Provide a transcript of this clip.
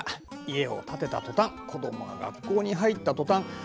家を建てたとたん子どもが学校に入ったとたん。